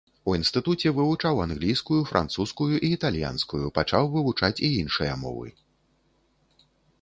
У інстытуце вывучаў англійскую, французскую і італьянскую, пачаў вывучаць і іншыя мовы.